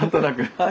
はい。